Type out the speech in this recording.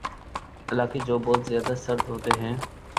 علاقے جو بہت زیادہ سرد ہوتے ہیں